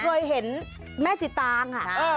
เคยเห็นแม่จิตางอ่ะ